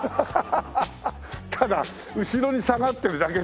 ただ後ろに下がってるだけ。